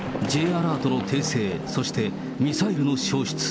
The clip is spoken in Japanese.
Ｊアラートの訂正、そしてミサイルの消失。